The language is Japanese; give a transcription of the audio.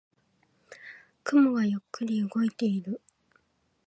雲がゆっくり動いている。